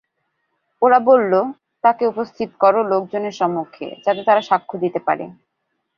ওরা বলল, তাকে উপস্থিত কর লোকজনের সম্মুখে, যাতে তারা সাক্ষ্য দিতে পারে।